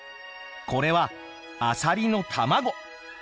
これはアサリの卵。